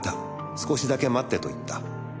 少しだけ待ってと言った」